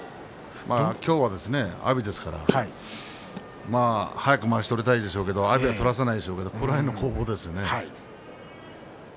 今日は阿炎ですから早くまわしを取りたいでしょうけど阿炎は取らせませんでしょうからこの辺の攻防ですね。